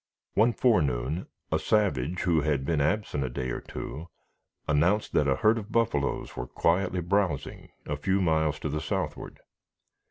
One forenoon, a savage, who had been absent a day or two, announced that a herd of buffaloes were quietly browsing a few miles to the southward.